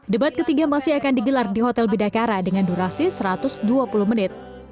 debat ketiga masih akan digelar di hotel bidakara dengan durasi satu ratus dua puluh menit